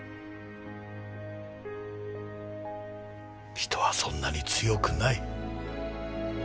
人はそんなに強くない。